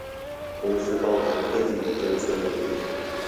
同時包含科技與政策內容